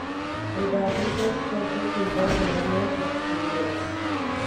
En Barbizon, Koller pintó escenas de exteriores.